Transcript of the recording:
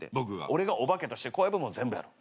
俺がお化けとして怖い部分を全部やる。